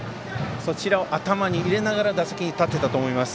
そちらを頭に入れながら打席に立っていたと思います。